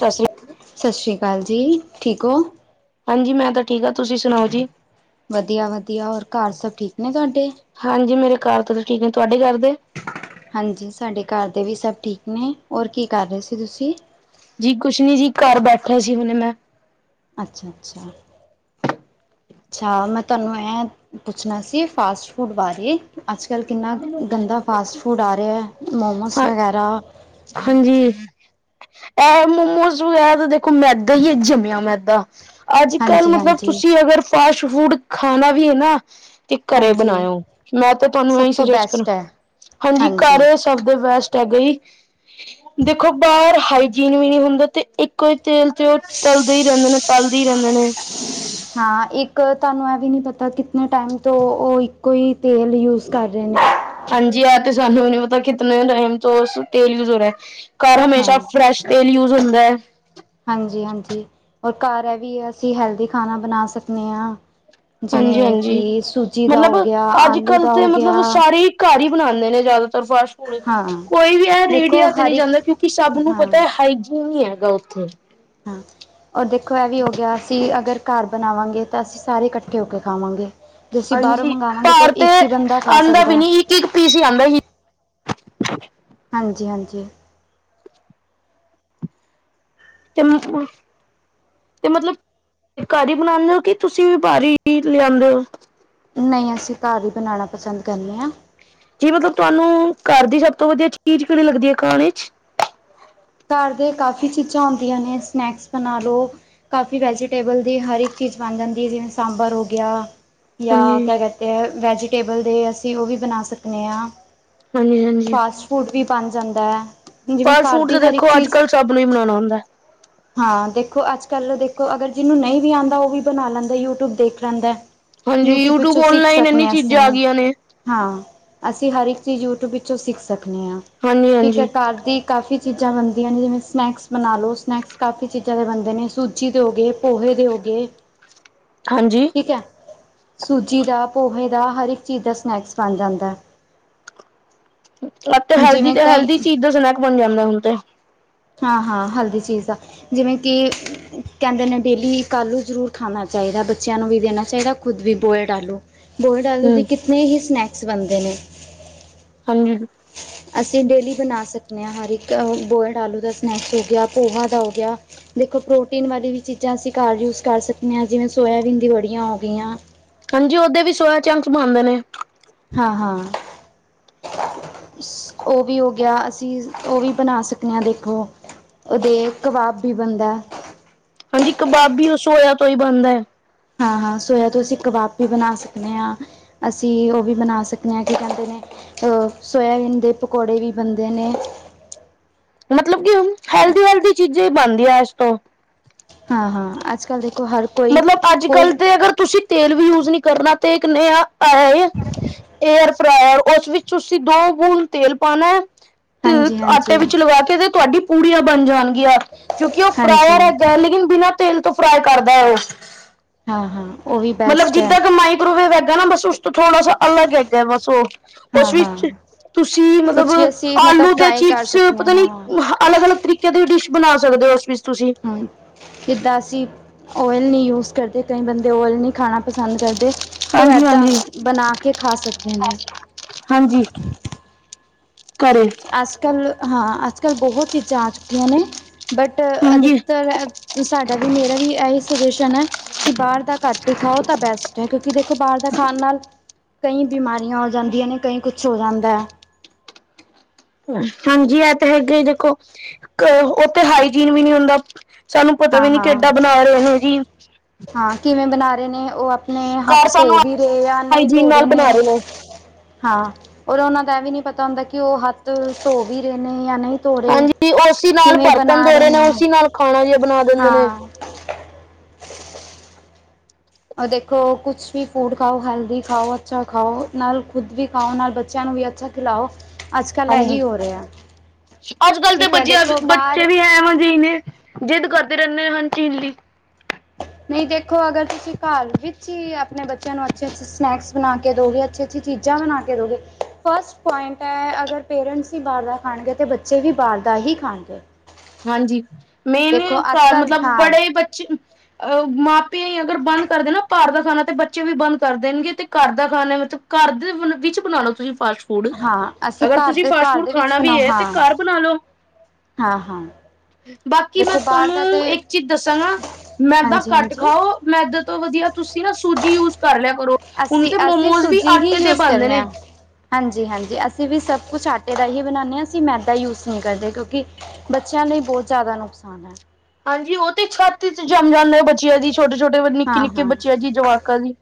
ਸਸ ਲਾ ਸਸ਼ ਰੀਆ ਕਾਲ ਜੀ, ਠੀਕ ਹੋ। ਹਾਂਜੀ ਮੈਂ ਤਾਂ ਠੀਕ ਹਾਂ, ਤੁਸੀਂ ਸੁਣਾਓ ਜੀ। ਵਧੀਆ-ਵਧੀਆ, ਹੋਰ ਘਰ ਸਭ ਠੀਕ ਨੇ ਤੁਹਾਡੇ। ਹਾਂਜੀ ਮੇਰੇ ਘਰ ਤੇ ਠੀਕ ਨੇ, ਤੁਹਾਡੇ ਘਰ ਦੇ ਹਾਂਜੀ, ਸਾਡੇ ਘਰ ਦੇ ਵੀ ਸਭ ਠੀਕ ਨੇ, ਹੋਰ ਕੀ ਕਰ ਰਹੇ ਸੀ ਤੁਸੀਂ। ਜੀ ਕੁਛ ਨੀ ਜੀ, ਘਰ ਬੈਠਿਆ ਸੀ ਹੁਨੇ ਮੈਂ। ਅੱਛਾ- ਅੱਛਾ। ਅੱਛਾ, ਮੈਂ ਤੁਹਾਨੂੰ ਐਂ ਪੁੱਛਣਾ ਸੀ, ਫਾਸਟ ਫੂਡ ਬਾਰੇ। ਅੱਜ- ਕੱਲ੍ਹ ਕਿੰਨਾ ਗੰਦਾ ਫਾਸਟ ਫੂਡ ਆ ਰਿਹਾ, ਮੋਮੋਸ ਹਾਂ ਵਗੈਰਾ। ਹਾਂਜੀ, ਇਹ ਮੋਮੋਸ ਵਗੈਰਾ ਤਾਂ ਦੇਖੋ ਮੈਦਾ ਹੀ ਐ, ਜੰਮਿਆ ਮੈਦਾ। ਅੱਜ- ਕੱਲ੍ਹ ਹਾਂਜੀ ਮਤਲਬ ਹਾਂਜੀ ਤੁਸੀਂ ਅਗਰ ਫਾਸਟ ਫੂਡ ਖਾਣਾ ਵੀ ਹੈ ਨਾ ਤੇ ਘਰੇ ਹਾਂਜੀ ਬਣਾਇਓ, ਮੈਂ ਤਾਂ ਤੁਹਾਨੂੰ ਸਭ ਇਹੀ ਤੋਂ ਸੁਜੈਸਟ ਕਰਾਂ, ਬੈਸਟ ਹੈ ਹਾਂਜੀ ਘਰ ਸਭ ਦੇ ਬੈਸਟ ਹੈਗਾ ਜੀ, ਦੇਖੋ ਬਾਹਰ ਹਾਈਜੀਨ ਵੀ ਨਹੀਂ ਹੁੰਦਾ, ਤੇ ਇੱਕ ਇਕੋ ਈ ਤੇਲ ਚ ਉਹ ਤਲਦੇ ਹੀ ਰਹਿੰਦੇ ਨੇ, ਤਲਦੇ ਹੀ ਰਹਿੰਦੇ ਨੇ। ਹਾਂ, ਇੱਕ ਤੁਹਾਨੂੰ ਇਹ ਵੀ ਨੀ ਪਤਾ, ਕਿਤਨੇ ਟਾਈਮ ਤੋਂ ਉਹ ਇੱਕੋ ਹੀ ਤੇਲ ਯੂਜ ਕਰ ਰਹੇ ਨੇ। ਹਾਂਜੀ ਆਹ ਤੇ ਸਾਨੂੰ ਵੀ ਨੀ ਪਤਾ, ਕਿਤਨੇ ਟਾਈਮ ਤੋਂ ਤੇਲ ਵੀ ਯੂਜ਼ ਹੋ ਰਹਾ। ਘਰ ਹਮੇਸ਼ਾ ਹਾਂ ਫਰੈਸ਼ ਤੇਲ ਯੂਜ ਹੁੰਦਾ। ਹਾਂਜੀ-ਹਾਂਜੀ, ਔਰ ਘਰ ਐਹ ਵੀ ਅਸੀਂ ਹੈਲਦੀ ਖਾਣਾ ਬਣਾ ਸਕਦੇ ਆਂ। ਹਾਂਜੀ ਜਿਵੇਂ ਹਾਂਜੀ ਕਿ ਸੂਜੀ ਦਾ ਮਤਲਬ ਹੋ ਗਿਆ, ਅੱਜ ਆਲੂ ਕੱਲ ਦਾ ਤੇ ਹੋ ਗਿਆ। ਮਤਲਬ ਸਾਰੇ ਹੀ ਘਰ ਹੀ ਬਣਾਂਦੇ ਨੇ ਜ਼ਿਆਦਾਤਰ ਫਾਸਟ ਹਾਂ ਕੋਈ ਵੀ ਇਹ ਦੇਖੋ ਰੇਡੀਆਂ ਤੇ ਹਰ ਨਹੀਂ ਜਾਂਦਾ, ਇੱਕ ਕਿਉਂਕਿ ਸਭ ਨੂੰ ਹਾਂ ਪਤਾ ਹਾਈਜੀਨ ਹੀ ਹੈਗਾ ਉੱਥੇ। ਹੂੰ, ਔਰ ਦੇਖੋ ਇਹ ਵੀ ਹੋ ਗਿਆ, ਅਸੀਂ ਅਗਰ ਘਰ ਬਣਾਵਾਂਗੇ, ਤਾਂ ਅਸੀਂ ਸਾਰੇ ਇਕੱਠੇ ਹੋ ਕੇ ਖਾਵਾਂਗੇ। ਜੇ ਅਸੀਂ ਬਾਹਰੋਂ ਹਾਂਜੀ ਮੰਗਾਵਾਵਾਂਗੇ ਤਾਂ ਭਾਰ ਉਹ ਤੇ ਇੱਕ ਹੀ ਬੰਦਾ ਖਾ ਆਉਂਦਾ ਸਕਦਾ ਵੀ ਨੀ ਇੱਕ ਇੱਕ ਪੀਸ ਹੀ ਆਉਂਦਾ ਸੀ ਹਾਂਜੀ- ਹਾਂਜੀ [inaudible] ਤੇ ਮਤਲਬ ਘਾਹ ਹੀ ਬਣਾਉਂਦੇ ਹੋ ਕਿ ਤੁਸੀਂ ਵੀ ਬਾਹਰ ਲਿਆਂਦੇ ਹੋ ਨਹੀਂ ਅਸੀਂ ਘਰ ਹੀ ਬਣਾਉਣਾ ਪਸੰਦ ਕਰਨੇ ਹਾਂ ਜੀ ਮਤਲਬ ਤੁਹਾਨੂੰ ਘਰ ਦੀ ਸਭ ਤੋਂ ਵਧੀਆ ਚੀਜ਼ ਕਿਹਣੀ ਲੱਗਦੀ ਹੈ ਖਾਣ ਚ ਘਰ ਦੇ ਕਾਫ਼ੀ ਚੀਜ਼ਾਂ ਹੁੰਦੀਆਂ ਨੇ ਸਨੈਕਸ ਬਣਾ ਲਉ ਕਾਫੀ ਵੈਜੀਟੇਬਲ ਦੀ ਹਰ ਇੱਕ ਚੀਜ਼ ਬਣ ਜਾਂਦੀ ਹੈ ਜਿਵੇਂ ਸਾਂਬਰ ਹੋ ਗਿਆ ਜਾਂ ਹਾਂਜੀ ਕਿਆ ਕਹਿਤੇ ਹੈ ਵੈਜੀਟੇਬਲ ਦੇ ਅਸੀਂ ਉਹ ਵੀ ਬਣਾ ਸਕਦੇ ਹਾਂ ਹਾਂਜੀ -ਹਾਂਜੀ ਫਾਸਟ ਫੂਡ ਵੀ ਬਣ ਜਾਂਦਾ ਹੈ ਜਿਵੇਂ ਫਲ ਘਰ ਫਰੂਟ ਦੀ ਤਾਂ ਹਰ ਦੇਖੋ ਇੱਕ ਅੱਜ ਚੀਜ਼ ਕੱਲ੍ਹ ਸਭ ਨੂੰ ਹੀ ਬਨਾਉਣਾ ਹੁੰਦਾ ਹਾਂ ਦੇਖੋ ਅੱਜ ਕੱਲ੍ਹ ਦੇਖੋ ਅਗਰ ਜਿਹਨੂੰ ਨਹੀਂ ਵੀ ਆਉਂਦਾ ਉਹ ਵੀ ਬਣਾ ਲੈਂਦਾ ਯੂਟਿਊਬ ਦੇਖ ਲੈਂਦਾ ਹਾਂਜੀ, ਯੂਟਿਊਬ ਵਿੱਚੋਂ ਸਿੱਖ ਔਨਲਾਈਨ ਇੰਨੀ ਸਕਦੇ ਅਸੀਂ ਚੀਜ਼ਾਂ ਆ ਹ ਗਈਆਂ ਨੇ, ਹਾਂ ਅਸੀਂ ਹਰ ਇੱਕ ਚੀਜ਼ ਯੂਟਿਊਬ ਵਿੱਚੋਂ ਸਿੱਖ ਸਕਦੇ ਹਾਂ ਠੀਕ ਹੈ ਹਾਂਜੀ-ਹਾਂਜੀ। ਘਰ ਦੀ ਕਾਫੀ ਚੀਜ਼ਾਂ ਬਣਦੀਆਂ ਨੇ ਜਿਵੇਂ ਸਨੈਕਸ ਬਣਾ ਲਓ ਸਨੈਕਸ ਕਾਫ਼ੀ ਚੀਜ਼ਾਂ ਦੇ ਬਣਦੇ ਨੇ ਸੂਜੀ ਦੇ ਹੋ ਗਏ ਪੋਹੇ ਦੇ ਹੋ ਗਏ ਹਾਂਜੀ ਠੀਕ ਹਾਂਜੀ ਹੈ ਸੂਜੀ ਦਾ ਪੋਹੇ ਦਾ ਹਰ ਇੱਕ ਚੀਜ਼ ਦਾ ਸਨੈਕਸ ਬਣ ਜਾਂਦਾ [inaudible] ਅਤੇ ਹੁਣ ਹੈਲਦੀ ਜਿਵੇਂ ਤੇ ਕਈ ਹੈਲਦੀ ਚੀਜ਼ ਦਾ ਸਨੈਕ ਬਣ ਜਾਂਦਾ ਹੁਣ ਤੇ ਹਾਂ ਹਾਂ ਹਲਦੀ ਚੀਜ਼ ਆ ਜਿਵੇਂ ਕਿ ਕਹਿੰਦੇ ਨੇ ਡੇਲੀ ਇਕਆਲੂ ਜ਼ਰੂਰ ਖਾਣਾ ਚਾਹੀਦਾ ਬੱਚਿਆਂ ਨੂੰ ਵੀ ਦੇਣਾ ਚਾਹੀਦਾ ਖੁਦ ਵੀ ਬੋਇਲਡ ਆਲੂ ਬੋਇਲਡ ਆਲੂ ਦੇ ਹੂੰ, ਕਿਤਨੇ ਹੀ ਸਨੈਕਸ ਬਣਦੇ ਨੇ ਹਾਂਜੀ ਅਸੀਂ ਡੇਲੀ ਬਣਾ ਸਕਦੇ ਹਾਂ ਹਰ ਇੱਕ ਬੋਇਲਡ ਆਲੂ ਦਾ ਸਨੈਕਸ ਹੋ ਗਿਆ ਪੋਹਾ ਦਾ ਹੋ ਗਿਆ ਦੇਖੋ ਪ੍ਰੋਟੀਨ ਵਾਲੀ ਵੀ ਚੀਜ਼ਾਂ ਅਸੀਂ ਘਰ ਯੂਜ ਕਰ ਸਕਦੇ ਹਾਂ ਜਿਵੇਂ ਸੋਇਬੀਨ ਦੀ ਬੜੀਆਂ ਹੋ ਗਈਆਂ ਹਾਂਜੀ ਓਦੇ ਵੀ ਸੋਇਆ ਚੰਕਸ ਬਣਾਉਦੇ ਨੇ ਹਾਂ -ਹਾਂ ਉਹ ਵੀ ਹੋ ਗਿਆ ਅਸੀਂ ਉਹ ਵੀ ਬਣਾ ਸਕਦੇ ਹਾਂ ਦੇਖੋ ਉਹਦੇ ਕਬਾਬ ਵੀ ਬਣਦਾ ਹਾਂਜੀ ਕਬਾਬੀ ਰਸੋਇਆ ਤੋਂ ਹੀ ਬਣਦਾ ਹੈ ਹਾਂ ਹਾਂ ਸੋਇਆ ਤੋਂ ਅਸੀਂ ਕਬਾਬ ਵੀ ਬਣਾ ਸਕਦੇ ਹਾਂ ਅਸੀਂ ਉਹ ਵੀ ਬਣਾ ਸਕਦੇ ਹਾਂ ਕੀ ਕਹਿੰਦੇ ਨੇ ਅਹ ਸੋਇਆਬੀਨ ਦੇ ਪਕੌੜੇ ਵੀ ਬਣਦੇ ਨੇ ਮਤਲਬ ਕਿ ਹੈਲਦੀ ਹੈਦਰੀ ਚੀਜ਼ਾਂ ਹੀ ਬਣਦੀਆਂ ਇਸੱ ਤੋਂ ਹਾਂ ਹਾਂ ਅੱਜ ਕੱਲ੍ਹ ਦੇਖੋ ਹਰ ਕੋਈ ਮਤਲਬ ਅੱਜ ਕੋਈ ਕੱਲ੍ਹ ਦੇ ਅਗਰ ਤੁਸੀਂ ਤੇਲ ਵੀ ਯੂਜ ਨਹੀਂ ਕਰਨਾ ਤੇ ਇਕ ਨਯਾ ਆਯਾ ਏਅਰ ਫ੍ਰਾਇਰ ਉਸ ਵਿੱਚ ਤੁਸੀਂ ਦੋ ਬੂੰਦ ਤੇਲ ਪਾਣਾ ਏ ਤੇ ਹਾਂਜੀ ਆਟੇ ਹਾਂਜੀ ਵਿੱਚ ਲਗਾ ਕੇ ਤੇ ਤੁਹਾਡੀ ਪੂੜੀਆਂ ਬਣ ਜਾਣਗੀਆਂ ਕਿਉਂਕਿ ਉਹ ਫਰਾਇਰ ਹਾਂਜੀ ਹੈਗਾ ਹੈ ਲੇਕਿਨ ਬਿਨਾਂ ਤੇਲ ਤੋਂ ਫਰਾਈ ਕਰਦਾ ਹੈ ਉਹ ਹਾਂ-ਹਾਂ ਉਹ ਵੀ ਮਤਲਬ ਬੈਸਟ ਹੈ ਜਿੱਦਾਂ ਕਮਾਈ ਕਰੋਵੇ ਵਹਿਗਾ ਨਾ ਬਸ ਉਸ ਤੋਂ ਥੋੜ੍ਹਾ ਅਲੱਗ ਹੈਗਾ ਬਸ ਉਹ ਉਸ ਹਾਂ-ਹਾਂ ਵਿੱਚ ਤੁਸੀਂ ਮਤਲਬ ਕੁਛ ਵੀ ਅਸੀਂ ਮਤਲਬ ਆਲੂ ਤੇ ਫਰਾਈ ਕਰ ਚਿਪਸ ਸਕਦੇ ਹਾਂ ਪਤਾ ਨੀ ਹਾਂ ਅਲੱਗ ਅਲੱਗ ਤਰੀਕੇ ਦੀ ਡਿਸ਼ ਬਣਾ ਸਕਦੇ ਹੋ ਉਸ ਵਿਚ ਤੁਸੀ ਜੀਦਾਂ ਅਸੀ ਓਇਲ ਨਹੀ ਯੂਜ ਕਰਦੇ ਕਈ ਬੰਦੇ ਓਇਲ ਨਹੀ ਖਾਣਾ ਪਸੰਦ ਕਰਦੇ ਤ ਇਏਦਾਂ ਹਾਂਜੀ-ਹਾਂਜੀ, ਬਣਾ ਕੇ ਖਾ ਸਕਦੇ ਨੇ ਹਾਂਜੀ ਘੇਰੇ ਅਜ-ਕਲ ਹਾਂ ਅਜ-ਕਲ ਬਹੁਤ ਚੀਜਾ ਆ ਚੁਕੀਆਂ ਨੇਂ, ਬਟ ਹਾਂਜੀ। ਅਧਿਕਤਰ ਸਾਡਾ ਵੀ ਮੇਰਾ ਵੀ ਇਹੀ ਸੁਜੈਸ਼ਨ ਹੈ ਕਿ ਬਾਹਰ ਦਾ ਘੱਟ ਹੀ ਖਾਓ ਤਾਂ ਬੈਸਟ ਕਿਉਂਕਿ ਦੇਖੋ ਬਾਹਰ ਦਾ ਖਾਣ ਨਾਲ ਕਈ ਬਿਮਾਰੀਆਂ ਹੋ ਜਾਂਦੀਆਂ ਨੇ ਕਈ ਕੁਛ ਹੋ ਜਾਂਦਾ ਐ। ਹਾਂਜੀ, ਇਹ ਤੇ ਹੈਗੇ ਦੇਖੋ ਉਥੇ ਹਾਈਜੀਨ ਵੀ ਨੀਂ ਹੁੰਦਾ ਸਾਨੂੰ ਪਤਾ ਵੀ ਨੀ ਹਾਂ-ਹਾਂ ਕਿਡਾ ਬਣਾ ਰਹੇ ਨੇ ਜੀ। ਹਾਂ ਕਿਵੇਂ ਬਣਾ ਰਹੇ ਨੇ ਉਹ ਅਪ- ਨੇ ਹੱਥ ਘਰ ਧੋ ਸਾਨੂੰ ਵੀ ਰਹੇ ਆ ਨਹੀਂ ਹਾਈਜੀਨ ਧੋ ਰਹੇ ਨਾਲ ਨੇ ਬਣਾ ਹਾਂ ਓਰ ਉਹਨਾਂ ਦਾ ਇਹ ਵੀ ਨਹੀਂ ਪਤਾ ਹੁੰਦਾ ਕਿ ਉਹ ਹੱਥ ਧੋ ਵੀ ਰਹੇ ਨੇ ਜਾਂ ਨਹੀਂ ਥੋਰੇ ਹਾਂਜੀ ਉਸੀ ਨਾਲ ਕਿਵੇਂ ਬਰਤਨ ਬਣਾ ਧੋ ਰਹੇ ਨੇ ਉਸੀ ਨਾਲ ਖਾਣਾ ਜਿਹਾ ਬਣਾ ਦਿੰਦੇ ਨੇ ਹਾਂ ਅ ਦੇਖੋ ਕੁਛ ਵੀ ਫੂਡ ਖਾਓ ਹੈਲਦੀ ਖਾਓ ਅੱਛਾ ਖਾਓ ਨਾਲ ਖੁਦ ਵੀ ਖਾਓ ਨਾਲ ਬੱਚਿਆਂ ਨੂੰ ਵੀ ਅੱਛਾ ਖਲਾਓ ਹਾਂਜੀ ਅਜ ਕਲ ਤੇ ਠੀਕ ਹੈ ਬਚੇਆ ਦੇਖੋ [unintelligible] ਬੱਚੇ ਬਾਹਰ ਵੀ ਐ ਵ ਜਿ ਨੇ ਜਿ਼ਦ ਕਰਦੇ ਰਹਿਦੇ ਹਰ ਚੀਜ਼ ਲਈ ਨਹੀਂ ਦੇਖੋ ਅਗਰ ਤੁਸੀ ਘਰ ਵਿਚ ਹੀ ਆਪਣੇ ਬੱਚਿਆਂ ਨੂੰ ਅਛੇ- ਅਛੇ ਸਨੈਕਸ ਬਣਾ ਕੇ ਦੋਗੇ ਅਛੀ- ਅਛੀ ਚੀਜ਼ਾ ਬਣਾ ਕੇ ਦੋਗੇ ਫਸਟ ਪੁਆਇੰਟ ਹੈ ਅਗਰ ਪੇਰੈਂਟਸ ਅਸੀ ਬਾਹਰ ਦਾ ਖਾਣਗੇ ਤੇ ਬੱਚੇ ਵੀ ਬਾਹਰ ਦਾ ਹੀ ਖਾਣਗੇ ਹਾਂਜੀ ਮੇਰੇ ਦੇਖੋ ਅੱਜ ਘਰ ਕੱਲ ਮਤਲਬ ਹਾਂ ਬੜੇ ਬੱਚੇ ਅਹ ਮਾਂ ਪੇ ਅਗਰ ਬੰਦ ਕਰਦੇ ਨਾਂ ਭਾਰ ਦਾ ਖਾਣਾ, ਤੇ ਬੱਚੇ ਵੀ ਬੰਦ ਕਰ ਦੇਣਗੇਂ ਤੇ ਘਰ ਦਾ ਖਾਣਾ ਮਤਲਬ ਘਰ ਦੇ ਵ ਵਿਚ ਬਣਾਣਾ ਤੁਸੀ ਫਾਸਟ ਫੂਡ, ਹਾਂ ਅਸੀਂ ਅਗਰ ਘਰ ਤੁਸੀ ਦੇ ਫਾਸਟ ਘਰ ਫੂਡ ਦੇ ਵਿੱਚ ਖਾਣਾ ਵੀ ਬਣਾਓ ਐ ਤੇ ਹਾਂ ਘਰ ਬਣਾ ਲਓ ਹਾਂ, ਹਾਂ। ਬਾਕੀ ਮੈਂ ਦੇਖੋ ਬਾਹਰ ਦਾ ਤੇ ਤੁਹਾਨੂੰ ਇਕ ਚੀਜ ਦਸਾਂਗਾ, ਮੈਦਾ ਹਾਂਜੀ ਘੱਟ ਹਾਂਜੀ ਖਾਓ ਮੈਦ ਤੋਂ ਵਧੀਆ ਤੁਸੀ ਨਾਂ ਸੂਜੀ ਯੂਜ ਕਰ ਲਿਆ ਕਰੋ, ਹੁਣ ਅਸੀਂ ਤੇ ਅਸੀਂ ਮੋਮੋਜ਼ ਵੀ ਸੂਜੀ ਹੀ ਆਟੇ ਦੇ ਯੂਜ ਬਣਦੇ ਕਰਨੇ ਨੇਂ ਆ ਹਾਂਜੀ, ਹਾਂਜੀ ਅਸੀ ਵੀ ਸਭ ਕੁਛ ਆਟੇ ਦਾ ਹੀ ਬਣਾਉਂਣੇ ਆਂ, ਅਸੀ ਮੈਦਾ ਯੂਜ਼ ਨਈ ਕਰਦੇ ਕਿਉਕਿ ਬੱਚਿਆਂ ਲਈ ਬਹੁਤ ਜ਼ਿਆਦਾ ਨੁਕਸਾਨ ਐ। ਹਾਂਜੀ ਉਹ ਤੇ ਛਤ ਚ ਜੰਮ ਜਾਂਦਾ, ਬੱਚਿਆਂ ਦੀ ਛੋਟੇ-ਛੋਟੇ, ਹਾਂ ਨਿਕੇ-ਨਿਕੇ ਹਾਂ ਬੱਚਿਆਂ ਜੀ ਜਵਾਕਾਂ ਦੀ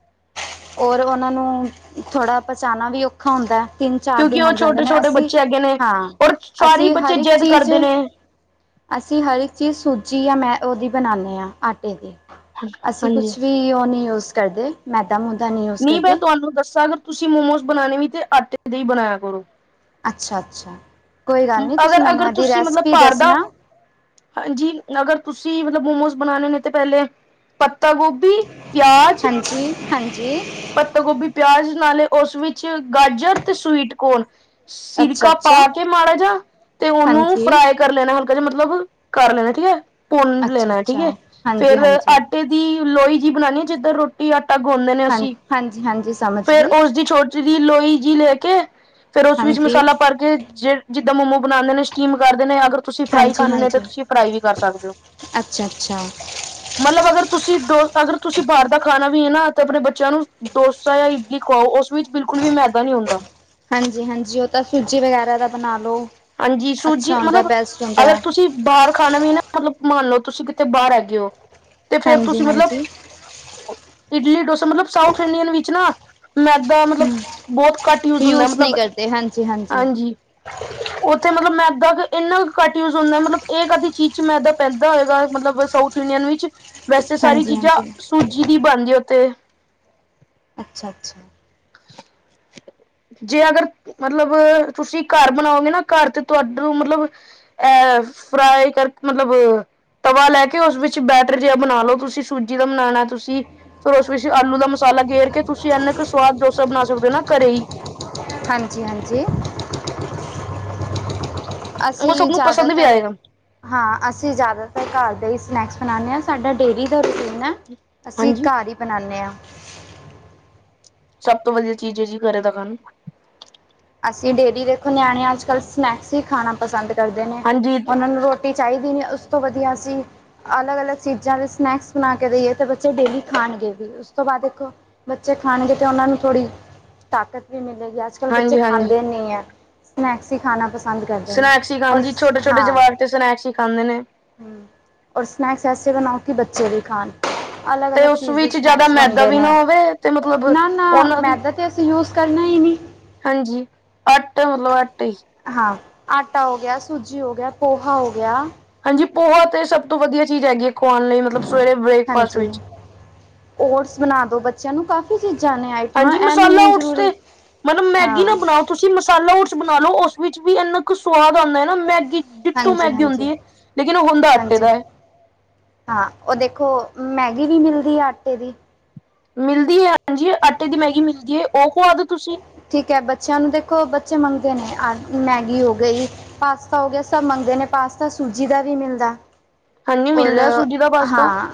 ਔਰ ਉਹਨਾਂ ਨੂੰ ਥੋੜ੍ਹਾ ਪਹੁੰਚਾਣਾ ਵੀ ਔਖਾ ਹੁੰਦਾ। ਤਿੰਨ-ਚਾਰ ਦਿਨ ਕਿਉਂਕਿ ਉਹ ਲਗ ਜਾਂਦੇ ਛੋਟੇ ਨੇਂ, ਛੋਟੇ ਅਸੀ ਬੱਚੇ ਹੈਗੇ ਨੇ ਹਾਂ, ਔਰ ਸਾਰੇ ਅਸੀ ਹਰ ਬੱਚੇ ਇਕ ਜਿੱਦ ਚੀਜ ਕਰਦੇ ਨੇ [inaudible] ਅਸੀ ਹਰ ਇਕ ਚੀਜ ਸੂਜੀ ਜਾਂ ਮੈ ਉਹਦੀ ਬਣਾਉਦੇ ਹਾਂ ਆਟੇ ਦੀ ਅਸੀ ਹਾਂਜੀ ਕੁਛ ਵੀ ਉਹ ਨੀਂ ਯੂਜ ਕਰਦੇ ਮੈਦਾ ਮੁ ਨ੍ਹੀਂ ਮੈ ਤੁਹਾਨੂੰ ਦਸਾਂ, ਅਗਰ ਤੁਸੀ ਮੋਮੋਸ ਬਣਾਉਣੇ ਵੀ ਤੇ ਆਟੇ ਦੇ ਈ ਬਣਾਇਆ ਕਰੋ। ਅਛਾ ਅਛਾ, ਕੋਈ ਗੱਲ ਨਈਂ ਤੁਸੀ ਅਗਰ ਮੈਨੂੰ ਅਗਰ ਇਹਦੀ ਤੁਸੀਂ ਮਤਲਬ ਰੈਸਪੀ ਭਾਰ ਦਸਣਾ। ਦਾ ਹਾਂਜੀ, ਅਗਰ ਤੁਸੀ ਮਤਲਬ ਮੋਮੋਸ ਬਣਾਉਣੇ ਨੇਂ ਤੇ ਪਹਿਲੇ ਪੱਤਾ ਗੋਭ ਹਾਂਜੀ, ਹਾਂਜੀ। ਪੱਤਾ ਗੋਭੀ ਪਿਆਜ ਨਾਲੇ ਉਸ ਵਿਚ ਗਾਜਰ ਤੇ ਸਵੀਟ ਕੋਰਨ ਅੱਛਾ ਸਿਰਕਾ ਅੱਛਾ ਪਾ ਕੇ ਮਾੜਾ ਜਿਆ ਤੇ ਉਹਨੂੰ ਹਾਂਜੀ ਫਰਾਈ ਕਰ ਲੈਣਾ ਹਲਕਾ ਜਿਹਾ ਮਤਲਬ, ਕਰ ਲੈਣਾ ਠੀਕ ਐ। ਭੁੰਨ ਅੱਛਾ ਲੈਣਾ ਠੀਕ ਅੱਛਾ ਐ। ਹਾਂਜੀ ਫੇਰ ਹਾਂਜੀ ਆਟੇ ਦੀ ਲੋਹੀ ਜਿਹੀ ਬਣਾਉਣੀ ਆ ਜਿਦਰ ਰੋਟੀ ਆਟਾ ਗੁਣਦੇ ਨੇਂ ਹਾਂ ਅਸੀ ਹਾਂਜੀ, ਹਾਂਜੀ। ਸਮਝ ਫੇਰ ਗਈ ਉਸਦੀ ਛੋਟੀ ਜਿਹੀ ਲੋਈ ਜਿਹੀ ਲੈਕੇ ਫੇਰ ਉਸ ਵਿਚ ਹਾਂਜੀ ਮਸਾਲਾ ਭਰ ਕੇ ਜੇ ਜਿਦਾ ਮੋਮੋ ਬਣਾਉਦੇ ਨੇਂ ਸਟੀਮ ਕਰਦੇ ਨੇਂ, ਅਗਰ ਤੁਸੀ ਫਰਾਈ ਹਾਂਜੀ ਖਾਂਦੇ ਤੇ ਹਾਂਜੀ ਤੁਸੀ ਫਰਾਈ ਵੀ ਕਰ ਸਕਦੇ ਹੋ। ਅੱਛਾ ਅੱਛਾ ਮਤਲਬ ਅਗਰ ਤੁਸੀ ਅਗਰ ਤੁਸੀ ਬਾਹਰ ਦਾ ਖਾਣਾ ਵੀ ਐ ਨਾਂ ਅਤੇ ਆਪਣੇ ਬੱਚਿਆਂ ਨੂੰ ਡੋਸਾ ਜਾਂ ਇਡਲੀ ਖਵਾਓ ਉਸ ਵਿਚ ਬਿਲਕੁਲ ਵੀ ਮੈਦਾ ਨਈਂ ਹੁੰਦਾ। ਹਾਂਜੀ, ਹਾਂਜੀ ਉਹ ਤਾਂ ਸੂਜੀ ਵਗੈਰਾ ਦਾ ਬਣਾ ਲੋ। ਹਾਂਜੀ, ਸੂਜੀ ਮਤਲਬ ਅਗਰ ਤੁਸੀਂ ਬਾਹਰ ਖਾਣਾ ਵੀ ਨਾਂ ਮਤਲਬ ਮੰਨ ਲਓ ਤੁਸੀਂ ਕਿਥਤੇ ਬਾਹਰ ਰਹਿ ਗਏ ਹੋ ਤੇ ਫੇਰ ਹਾਂਜੀ ਤੁਸੀਂ ਮਤਲਬ ਹਾਂਜੀ ਇਡਲੀ ਡੋਸਾ ਮਤਲਬ ਸਾਊਥ ਇੰਡੀਅਨ ਵਿੱਚ ਨਾਂ ਮੈਦਾ ਮਤਲਬ ਹਮ ਬਹੁਤ ਘੱਟ ਯੂਜ ਹੁੰਦਾ ਮਤਲਬ। ਨਹੀਂ ਕਰਦੇ ਹਾਂਜੀ ਹਾਂਜੀ। ਉੱਥੇ ਮਤਲਬ ਮੈਂ ਇਦਾਂ, ਇੰਨਾ ਕੁ ਘੱਟ ਯੂਜ ਹੁੰਦਾ, ਮਤਲਬ ਇਹ ਕਦੀ ਚੀਜ਼ ਚ ਮੈਂਦਾਂ ਪੈਂਦਾ ਹੋਏਗਾ, ਮਤਲਬ ਜਾਨੀ ਵਿੱਚ ਵੈਸੇ ਸਾਰੀ ਹਾਂਜੀ ਚੀਜ਼ਾਂ ਹਾਂਜੀ ਸੂਜੀ ਦੀ ਬਣਦੀ ਐ ਉਥੇ ਅੱਛਾ-ਅੱਛਾ, [unintelligible] ਜੇ ਅਗਰ ਮਤਲਬ ਤੁਸੀਂ ਘਰ ਬਣਾਓਗੇ, ਨਾ ਘਰ ਤੇ ਤੁਹਾਡੇ ਮਤਲਬ ਅਹ ਫਰਾਈ ਕਰਕੇ ਮਤਲਬ ਤਵਾ ਲੈ ਕੇ ਉਸ ਵਿੱਚ ਬੈਟਰ ਜਿਹਾ ਬਣਾ ਲਓ, ਤੁਸੀਂ ਸੂਜੀ ਦਾ ਬਣਾਉਣਾ ਤੁਸੀਂ ਫਿਰ ਉਸ ਵਿੱਚ ਆਲੂ ਦਾ ਮਸਾਲਾ ਗੇਰ ਕੇ ਤੁਸੀਂ ਐੰਨ ਕੁ ਸਵਾਦ ਡੋਸਾ ਬਣਾ ਸਕਦੇ ਹੋ ਨਾ, ਘਰੇ ਹੀ। ਹਾਂਜੀ, ਹਾਂਜੀ, ਉਹ ਅਸੀਂ ਸਭ ਨੂੰ ਪਸੰਦ ਵੀ ਜ਼ਿਆਦਾਤਰ ਆਏਗਾ ਹਾਂ ਅਸੀਂ ਜ਼ਿਆਦਾਤਰ ਘਰ ਦਾ ਹੀ ਸਨੈਕਸ ਬਣਾਉਂਦੇ ਹਾਂ, ਸਾਡਾ ਡੇਅਰੀ ਦਾ ਰੁਟੀ ਹੈ ਅਸੀਂ ਹਾਂਜੀ ਘਰ ਹੀ ਬਣਾਨੇ ਹਾਂ। ਸਭ ਤੋਂ ਵਧੀਆ ਚੀਜ਼ ਹੈ ਜੀ ਘਰੇ ਕਰਨ ਨੂੰ ਅਸੀਂ ਡੇਲੀ ਦੇਖੋ, ਨਿਆਣੇ ਅੱਜ-ਕੱਲ੍ਹ ਸਨੈਕਸ ਹੀ ਖਾਣਾ ਪਸੰਦ ਕਰਦੇ ਨੇ ਹਾਂਜੀ ਉਹਨਾਂ ਨੂੰ ਰੋਟੀ ਟੀ ਚਾਹੀਦੀ ਨੇ ਉਸ ਤੋਂ ਵਧੀਆ ਅਸੀ ਅਲੱਗ-ਅਲੱਗ ਚੀਜ਼ਾਂ ਦੇ ਸਨੈਕਸ ਬਣਾ ਕੇ ਦੇਈਏ, ਤੇ ਬੱਚੇ ਡੇਲੀ ਖਾਣਗੇ, ਵੀ ਉਸ ਤੋਂ ਬਾਅਦ ਦੇ ਬੱਚੇ ਖਾਣਗੇ, ਤੇ ਉਹਨਾਂ ਨੂੰ ਥੋੜ੍ਹੀ ਤਾਕਤ ਵੀ ਮਿਲੇਗੀ, ਅੱਜ- ਕੱਲ੍ਹ ਬੱਚੇ ਹਾਂਜੀ, ਹਾਂਜੀ। ਖਾਂਦੇ ਨਹੀਂ ਸਨੈਕਸ ਹੀ ਖਾਣਾ ਪਸੰਦ ਕਰਦੇ ਨੇ, ਸਨੈਕਸ ਹੀ ਖਾਣ ਔਰ ਜੀ ਛੋਟੇ ਛੋਟੇ ਹਾਂ। ਜਵਾਕ ਤੇ ਸਨੈਕਸ ਹੀ ਖਾਂਦੇ ਨੇ, ਔਰ ਸਨੈਕਸ ਐਸੇ ਬਣਾਓ, ਕਿ ਬੱਚੇ ਵੀ ਖਾਣ ਅਲੱਗ ਤੇ ਅਲੱਗ ਉਸ ਚੀਜ਼ ਦੇ ਵਿੱਚ ਜ਼ਿਆਦਾ ਸਨੈਕਸ ਮੈਦਾ ਬਣਦੇ ਵੀ ਨੇ, ਨਾ ਹੋਵੇ ਤੇ ਮਤਲਬ ਨਾ-ਨਾ ਉਹਨਾਂ ਮੈ ਦੀ ਤਾਂ, ਅਤੇ ਅਸੀਂ ਯੂਜ ਕਰਨਾ ਹੀ ਨਹੀਂ, ਹਾਂਜੀ ਅੱਠ ਮਤਲਬ ਅੱਟ ਹੀ, ਹਾਂ ਆਟਾ ਹੋ ਗਿਆ, ਸੂਜੀ ਹੋ ਗਿਆ ਪੋਹਾ ਹੋ ਗਿਆ। ਹਾਂਜੀ ਪੋਹਾ ਤੇ ਸਭ ਤੋਂ ਵਧੀਆ ਚੀਜ਼ ਹੈਗੀ ਹੈ, ਖਾਣ ਲਈ ਮਤਲਬ ਸਵੇਰੇ ਬ੍ਰੇਕਫਾਸਟ ਹਾਂਜੀ। ਵਿੱਚ ਓਟਸ ਬਣਾ ਦੋ ਬ ਬੱਚਿਆਂ ਨੂੰ ਕਾਫ਼ੀ ਚੀਜ਼ਾਂ ਨੇ ਆਈਟਮਾਂ ਹਾਂਜੀ ਐ ਨੀ ਮਸਾਲਾ ਹੈ ਓਟਸ ਜ਼ਰੂਰੀ ਤੇ ਮਤਲਬ ਮੈਗੀ ਹਾਂ। ਨਾ ਬਣਾਓ ਤੁਸੀਂ ਮਸਾਲਾ ਉਸ ਬਣਾ ਲੋ, ਉਸ ਵਿੱਚ ਵੀ ਇੰਨਾ ਕੁ ਸਵਾਦ ਆਉਂਦਾ ਨਾ ਮੈਗੀ। ਡਿੱਟੂ ਹਾਂਜੀ, ਮੈਗੀ ਹੁੰਦੀ ਹਾਂਜੀ, ਹੈ, ਲੇਕਿਨ ਉਹ ਹੁੰਦਾ ਆਟੇ ਹਾਂਜੀ ਦਾ ਹੈ। ਹਾਂ ਉਹ ਦੇਖੋ ਮੈਗੀ ਵੀ ਮਿਲਦੀ ਆ ਆਟੇ ਦੀ, ਮਿਲਦੀ ਹੈ ਹਾਂਜੀ ਆਟੇ ਦੀ ਮੈਗੀ ਮਿਲਦੀ ਹੈ, ਉਹ ਕਵਾ ਦੋ ਤੁਸੀਂ ਠੀਕ ਹੈ ਬੱਚਿਆਂ ਨੂੰ ਦੇਖੋ, ਬੱਚੇ ਮੰਗਦੇ ਨੇ ਆ ਮੈਗੀ ਹੋ ਗਈ। ਪਾਸਤਾ ਹੋ ਗਿਆ, ਸਭ ਮੰਗਦੇ ਨੇ ਪਾਸਤਾ ਸੂਜੀ ਦਾ ਵੀ ਮਿਲਦਾ। ਹਾਂਜੀ ਔਰ ਮਿਲਦਾ ਸੂਜੀ ਦਾ ਪਾਸਤਾ ਹਾਂ,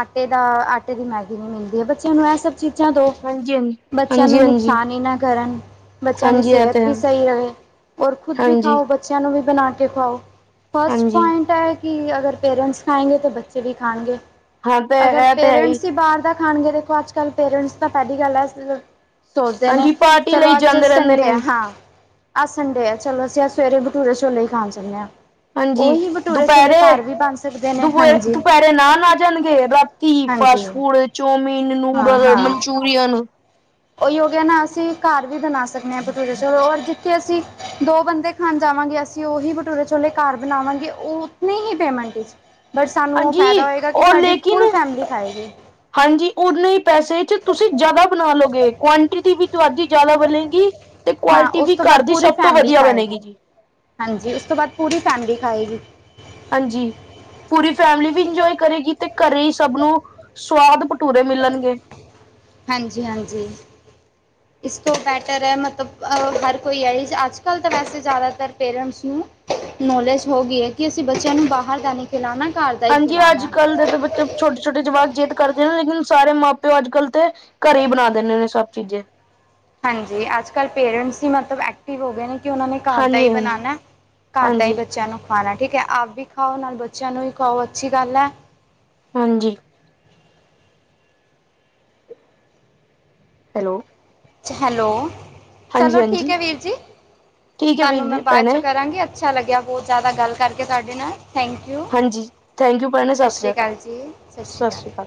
ਆਟੇ ਦਾ ਆਟੇ ਦੀ ਮੈਗੀ ਨਹੀਂ ਮਿਲਦੀ ਹੈ, ਬੱਚਿਆਂ ਨੂੰ ਇਹ ਸਭ ਚੀਜ਼ਾਂ ਦੋ ਹਾਂਜੀ ਹਾਂਜੀ ਬੱਚਿਆਂ ਨੂੰ ਹਾਂਜੀ ਨੁਕਸਾਨ ਹੀ ਨਾ, ਕਰਨ ਬੱਚਿਆਂ ਦੀ ਹਾਂਜੀ ਹਾਂਜੀ ਇਹ ਸਿਹਤ ਤੇ ਹੈ ਵੀ ਸਹੀ ਰਹੇ ਔਰ ਖੁਦ ਵੀ ਹਾਂਜੀ ਖਾਓ। ਬੱਚਿਆਂ ਨੂੰ ਵੀ ਬਣਾ ਕੇ ਖਵਾਓ ਫਸਟ ਹਾਂਜੀ ਪੁਆਇੰਟ ਹੈ। ਕਿ ਅਗਰ ਪੇਰੈਂਟਸ ਖਾਏਗੇ, ਤਾਂ ਬੱਚੇ ਵੀ ਖਾਣਗੇ ਹਾਂ ਤੇ ਅਗਰ ਇਹ ਤੇ ਹੈ ਪੇਰੈਂਟਸ ਹੀ ਬਾਹਰ ਦਾ ਖਾਣਗੇ ਦੇਖੋ ਅੱਜ-ਕੱਲ ਪੇਰੈਂਟਸ ਤਾਂ ਪਹਿਲੀ ਗੱਲ ਹੈ ਸੋਚਦੇ ਨੇ, ਹਾਂਜੀ ਪਾਰਟੀ ਚਲੋ ਲਈ ਅੱਜ ਜਾਂਦੇ ਰਹਿੰਦੇ ਸੰਡੇ ਨੇ ਆ। ਹ ਅਹ ਸੰਡੇ ਆ ਚਲੋ ਅਸੀਂ ਅ ਸਵੇਰੇ ਬਟੂਰੇ ਛੋਲੇ ਹੀ ਖਾਣ ਜਾਂਦੇ ਹਾਂ। ਹਾਂਜੀ ਉਹੀ ਭਟੂਰੇ ਛੋਲੇ ਦੁਪਹਿਰੇ ਘਰ ਵੀ ਬਣ ਸਕਦੇ ਨੇ ਦੁਪ ਹਾਂਜੀ ਦੁਪਹਿਰੇ ਨਾ-ਨਾ ਆ ਜਾਣਗੇ। ਘੀ ਹਾਂਜੀ fast food, chowmein, noodle, Manchurian ਉਹ ਹੋਗਿਆ ਨਾ ਅਸੀਂ ਘਰ ਵੀ ਬਣਾ ਸਕਦੇ ਹਾਂ, ਭਟੂਰੇ ਸ ਔਰ ਜ ਅਤੇ ਅਸੀਂ ਦੋ ਬੰਦੇ ਖਾਣ ਜਾਵਾਂਗੇ, ਅਸੀਂ ਉਹੀ ਬਟੂਰੇ ਛੋਲੇ ਘਰ ਬਣਾਵਾਂਗੇ ਉਹ ਨਹੀਂ ਹੀ ਪੇਮੈਂਟ ਬਟ ਸਾਨੂੰ ਉਹ ਹਾਂਜੀ ਫਾਇਦਾ ਹੋਏਗਾ, ਕਿ ਔਰ ਸਾਡੀ ਲੇਕਿਨ ਫੁੱਲ ਫੈਮਿਲੀ ਖਾਏਗੀ। ਹਾਂਜੀ। ਉਨੇ ਹੀ ਪੈਸੇ ਚ ਤੁਸੀਂ ਜ਼ਿਆਦਾ ਬਣਾ ਲਓਗੇ। ਕੁਆਂਟਿਟੀ ਵੀ ਤੁਹਾਡੀ ਜ਼ਿਆਦਾ ਬਣੇਗੀ। ਤੇ ਹਾਂ ਕੁਆਲਿਟੀ ਉਸ ਵੀ ਤੋਂ ਘਰ ਬਾਅਦ ਦੀ ਪੂਰੀ ਸਭ ਤੋਂ ਫੈਮਿਲੀ ਵਧੀਆ ਖਾਏਗੀ ਬਣੇਗੀ ਜੀ। ਹਾਂਜੀ। ਉਸ ਤੋਂ ਬਾਅਦ ਪੂਰੀ ਫੈਮਿਲੀ ਖਾਏਗੀ। ਹਾਂਜੀ। ਪੂਰੀ ਫੈਮਿਲੀ ਵੀ ਇੰਜੋਏ ਕਰੇਗੀ, ਤੇ ਘਰੇ ਹੀ ਸਭ ਨੂੰ ਸਵਾਦ ਪੂਰੇ ਮਿਲਣਗੇ। ਹਾਂਜੀ ਹਾਂਜੀ। ਇਸ ਤੋਂ ਬੈਟਰ ਹੈ, ਮਤਲਬ ਹਰ ਕੋਈ ਹੈ ਅੱਜ-ਕੱਲ੍ਹ ਤਾਂ ਵੈਸੇ ਜ਼ਿਆਦਾਤਰ ਪੇਰੈਂਟਸ ਨੂੰ ਨੌਲੇਜ ਹੋ ਗਈ ਹੈ ਕਿ, ਅਸੀਂ ਬੱਚਿਆਂ ਨੂੰ ਬਾਹਰ ਦਾ ਨਹੀਂ ਖਿਲਾਉਣਾ। ਘਰ ਦਾ ਹੀ ਹਾਂਜੀ। ਅੱਜ ਖਿਲਾਉਣਾ ਕੱਲ੍ਹ ਦੇ ਤਾਂ ਬੱਚੇ ਛੋਟੇ- ਛੋਟੇ ਜਵਾਕ ਜਿਦ ਕਰਦੇ ਨੇ, ਲੇਕਿਨ ਸਾਰੇ ਮਾਂ -ਪਿਓ ਅੱਜ -ਕੱਲ ਤੇ ਘਰੇ ਹੀ ਬਣਾ ਦਿੰਦੇ ਨੇ ਸਭ ਚੀਜ਼ੇ। ਹਾਂਜੀ। ਅੱਜ ਕੱਲ੍ਹ ਪੇਰੈਂਟਸ ਹੀ ਮਤਲਬ ਐਕਟਿਵ ਹੋ ਗਏ ਨੇ ਕਿ ਉਹਨਾਂ ਨੇ ਘਰ ਦਾ ਹੀ ਹਾਂਜੀ ਹਾਂਜੀ ਬਣਾਉਣਾ। ਘਰ ਦਾ ਹੀ ਹਾਂਜੀ ਬੱਚਿਆਂ ਨੂੰ ਖਾਣਾ ਠੀਕ ਹੈ। ਆਪ ਵੀ ਖਾਓ, ਨਾਲ ਬੱਚਿਆਂ ਨੂੰ ਵੀ ਖਾਓ, ਅੱਛੀ ਗੱਲ ਹੈ। ਹਾਂਜੀ ਹੈਲੋ ਹੈਲੋ। ਚਲੋ ਠੀਕ ਹਾਂਜੀ-ਹਾਂਜੀ ਹੈ ਵੀਰ ਜੀ, ਠੀਕ ਹੈ ਤੁਹਾਨੂੰ ਵੀਰ ਮੈਂ ਜੀ ਬਾਅਦ ਚੋਂ ਭੈਣੇ ਕਰਾਂਗੀ ਅ ਅੱਛਾ ਲੱਗਿਆ ਬਹੁਤ ਜ਼ਿਆਦਾ ਗੱਲ ਕਰਕੇ ਸਾਡੇ ਨਾਲ। ਥੈਂਕ ਯੂ, ਹਾਂਜੀ ਥੈਂਕ ਯੂ ਭੈਣੇ ਸਤਿ ਸ਼੍ਰੀ ਅਕਾਲ ਜੀ, ਸਤਿ ਸ਼੍ਰੀ ਅਕਾਲ।